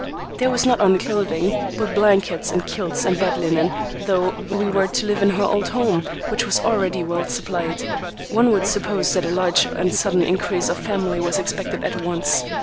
There was not only clothing, but blankets and quilts and bed linen, though we were to live in her old home, which was already well supplied. One would suppose that a large and sudden increase of family was expected at once.